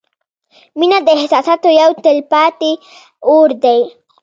• مینه د احساساتو یو تلپاتې اور دی.